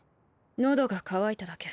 喉が渇いただけ。